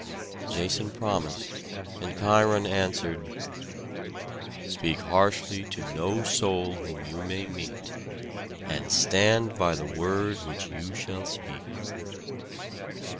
Jason promised, and Cheiron answered: "Speak harshly to no soul whom you may meet, and stand by the word which you shall speak."